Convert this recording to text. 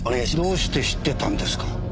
どうして知ってたんですか？